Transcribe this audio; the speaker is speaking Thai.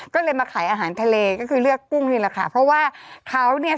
ก็เลยมาขายอาหารทะเลก็คือเลือกกุ้งนี่แหละค่ะเพราะว่าเขาเนี่ย